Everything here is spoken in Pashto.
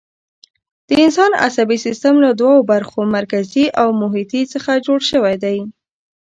د انسان عصبي سیستم له دوو برخو، مرکزي او محیطي څخه جوړ شوی دی.